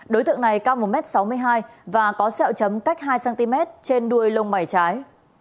đối tượng này cao một m sáu mươi hai và có sẹo chấm cách hai cm trên đuôi lông mày trái